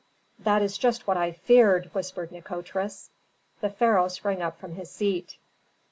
"That is just what I feared," whispered Nikotris. The pharaoh sprang up from his seat.